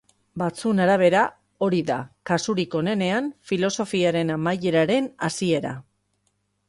Batzuen arabera, hori da, kasurik onenean, filosofiaren amaieraren hasiera.